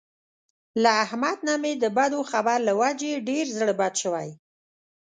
له احمد نه مې د بدو خبر له وجې ډېر زړه بد شوی.